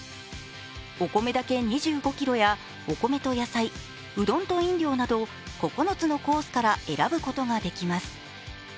お米だけ２５ｋｇや、お米と野菜、うどんと飲料など９つのコースから選ぶことができます。